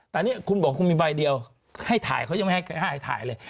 แต่เนี้ยคุณบอกมีใบเดียวให้ถ่ายเขายังไม่ให้ห้าให้ถ่ายเลย